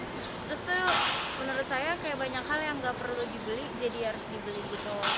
terus tuh menurut saya kayak banyak hal yang nggak perlu dibeli jadi harus dibeli gitu